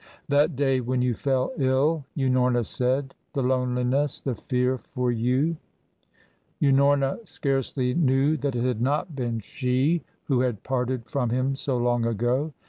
"That day when you fell ill," Unorna said, "the loneliness, the fear for you " Unorna scarcely knew that it had not been she who had parted from him so long ago.